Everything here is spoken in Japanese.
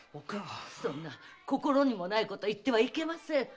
そんな心にもないこと言ってはいけません。